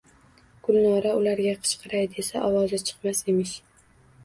Gulnora ularga qichqiray desa ovozi chiqmas emish…